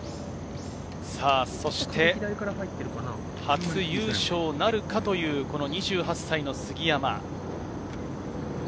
そして初優勝なるかという２８歳の杉山。